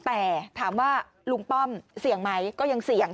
แต่ถามว่าลุงป้อมเสี่ยงไหมก็ยังเสี่ยง